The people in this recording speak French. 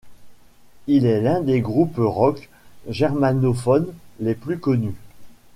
Il est l'un des groupes rock germanophones les plus connus.